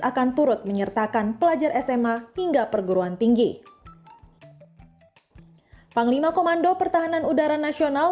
akan turut menyertakan pelajar sma hingga perguruan tinggi panglima komando pertahanan udara nasional